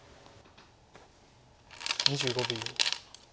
２５秒。